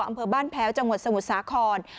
อำเภอบ้านแพ้วจังหวัดสมุทรสาคร